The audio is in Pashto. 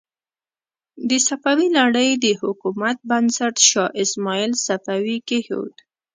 د صفوي لړۍ د حکومت بنسټ شاه اسماعیل صفوي کېښود.